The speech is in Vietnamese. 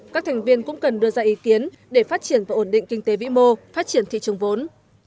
các thành viên cũng cần đưa ra ý kiến để phát triển và ổn định kinh tế vĩ mô phát triển thị trường vốn